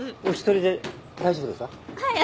お一人で大丈夫ですか？